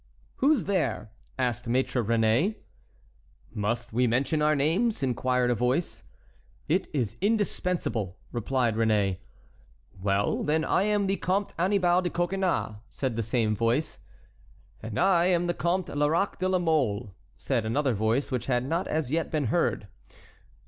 "Who's there?" asked Maître Réné. "Must we mention our names?" inquired a voice. "It is indispensable," replied Réné. "Well, then, I am the Comte Annibal de Coconnas," said the same voice. "And I am the Comte Lerac de la Mole," said another voice, which had not as yet been heard.